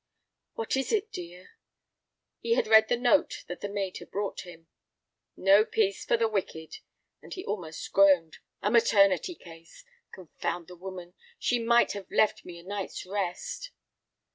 "What is it, dear?" He had read the note that the maid had brought him. "No peace for the wicked!" and he almost groaned; "a maternity case. Confound the woman, she might have left me a night's rest!"